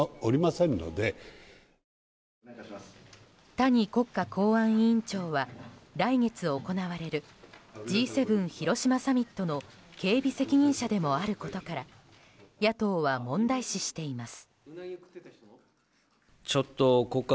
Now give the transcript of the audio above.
谷国家公安委員長は来月行われるＧ７広島サミットの警備責任者でもあることから野党は問題視しています。